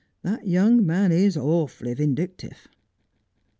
That young man i awfully vindictive.'